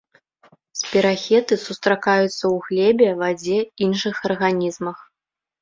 Спірахеты сустракаюцца ў глебе, вадзе, іншых арганізмах.